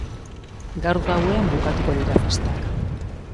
Gaur gauean bukatuko dira festak.